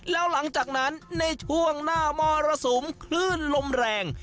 แล้วหลังจากนั้นในช่วงหน้ามรสุมคลื่นลมแรง